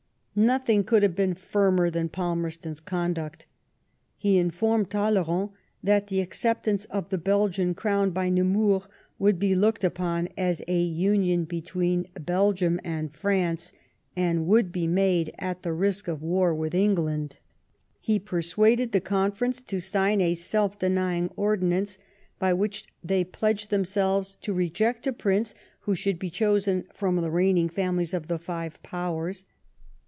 Nothing could have been firmer than Palmerston's conduct. He informed Talley rand that the acceptance of the Belgian crown by Nemours, would be looked upon as a union between Belgium and France, and would be made at the risk of war with England ; he persuaded the Conference to sign a self denying ordinance by which they pledged them BELGIAN INDEPENDENCE. 45 selTes to reject a prince who should be chosen from the reigning families of the five Powers.